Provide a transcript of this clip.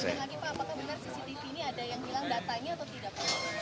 apakah benar cctv ini ada yang hilang datanya atau tidak pak